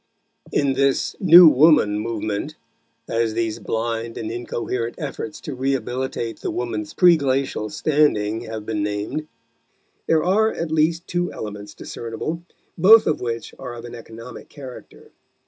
In this "New Woman" movement as these blind and incoherent efforts to rehabilitate the woman's pre glacial standing have been named there are at least two elements discernible, both of which are of an economic character.